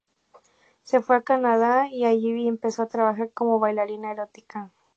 Se fue a Canadá y allí empezó a trabajar como bailarina erótica.